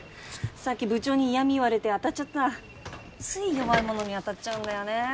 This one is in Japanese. さっき部長に嫌味言われて当たっちゃったつい弱い者に当たっちゃうんだよね